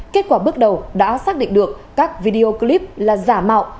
kết quả bước đầu đã xác định được các video clip là giả mạo